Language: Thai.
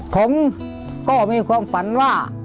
ผมก็มีความฝันว่า